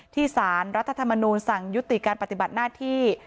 สารรัฐธรรมนูลสั่งยุติการปฏิบัติหน้าที่